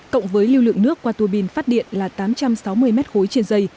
cộng với lưu lượng nước qua tù bin phát điện là tám trăm sáu mươi mét khối trên dây